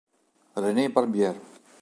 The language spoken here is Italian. René Barbier